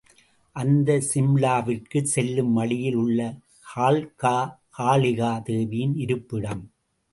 அந்த சிம்லாவிற்குச் செல்லும் வழியில் உள்ள கால்கா, காளிகா தேவியின் இருப்பிடம்.